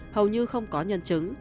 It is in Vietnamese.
hầu như không có nhân chứng